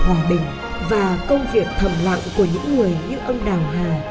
hòa bình và công việc thầm lặng của những người như ông đào hà